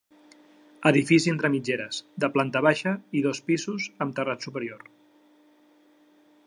Edifici entre mitgeres, de planta baixa i dos pisos amb terrat superior.